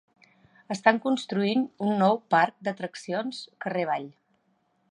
Estan construint un nou parc d'atraccions carrer avall.